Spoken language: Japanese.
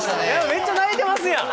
めっちゃ泣いてますやん・